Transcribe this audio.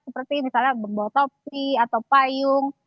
seperti misalnya membawa topi atau payung